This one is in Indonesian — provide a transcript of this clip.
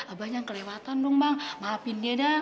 abang yang kelewatan dong bang maafin dia dah